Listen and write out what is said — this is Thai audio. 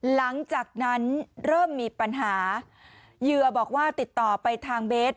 หลังจากนั้นเริ่มมีปัญหาเหยื่อบอกว่าติดต่อไปทางเบส